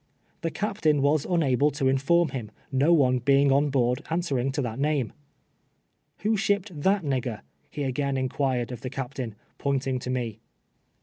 Tin.' c'a}»tain was nnable to inform him, no one be ing on Ijoard answering to that name. ""Who shipped tJiat nigger?" he again inquired of the captain, pointing to me.